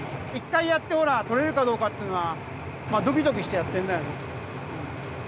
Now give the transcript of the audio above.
１回やってほら獲れるかどうかっていうのはまあドキドキしてやってるんだよね。